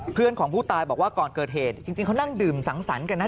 เพื่อนของผู้ตายบอกว่าก่อนเกิดเหตุจริงเขานั่งดื่มสังสรรค์กันนะ